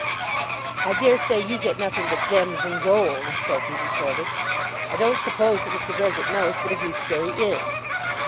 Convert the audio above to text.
"I dare say you get nothing but gems and gold," Sophy retorted. "I don't suppose that Mr. Brehgert knows what a gooseberry is."